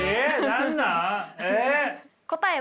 何なん？え。